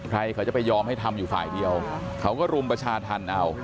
ใครเขาจะไปยอมให้ทำอยู่ฝ่ายเดียวเขาก็รุมประชาธรรมเอา